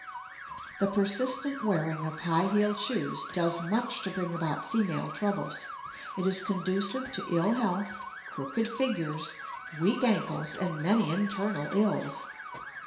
The persistent wearing of high heeled shoes does much to bring about female troubles. It is conducive to ill health, crooked figures, weak ankles, and many internal ills.